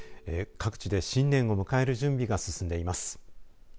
各地で新年を迎える準備が進んでいます。